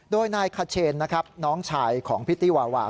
โดยนายคาเชนน้องชายของพิธีวาวา